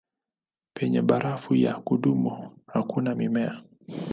Penye barafu ya kudumu hakuna mimea.